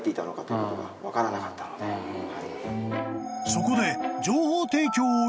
［そこで］